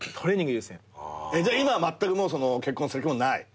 じゃあ今まったくもう結婚する気もない？